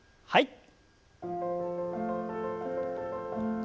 はい。